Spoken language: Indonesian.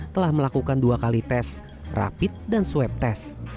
telah melakukan dua kali tes rapid dan swab test